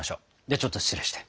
ではちょっと失礼して。